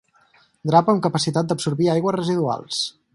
Drap amb capacitat d'absorbir aigües residuals.